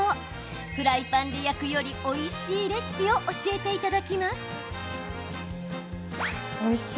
フライパンで焼くよりおいしいレシピを教えていただきます。